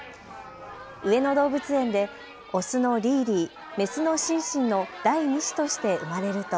上野動物園でオスのリーリー、メスのシンシンの第２子として生まれると。